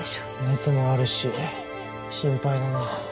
熱もあるし心配だな。